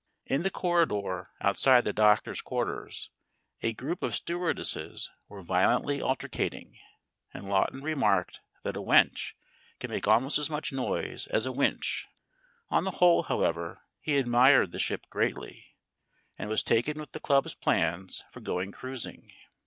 In the corridor outside the Doctor's quarters a group of stewardesses were violently altercating, and Lawton remarked that a wench can make almost as much noise as a winch. On the whole, however, he admired the ship greatly, and was taken with the club's plans for going cruising.